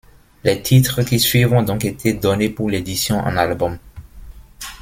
Les titres qui suivent ont donc été données pour l’édition en album.